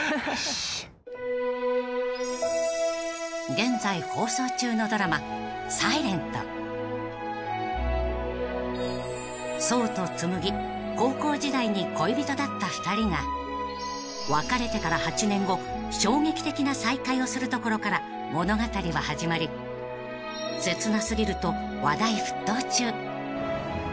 ［現在放送中のドラマ『ｓｉｌｅｎｔ』］［想と紬高校時代に恋人だった２人が別れてから８年後衝撃的な再会をするところから物語は始まり切な過ぎると話題沸騰中］